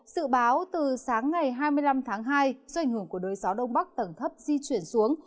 sự báo từ sáng ngày hai mươi năm tháng hai do ảnh hưởng của đới gió đông bắc tầng thấp di chuyển xuống